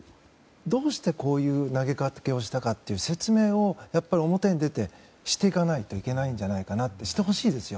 どうして、こういう投げかけをしたかという説明を表に出てしていかないといけないんじゃないかなってしてほしいですよ。